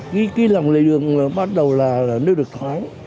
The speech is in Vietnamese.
ghi ký lòng lệ đường bắt đầu là nếu được thoáng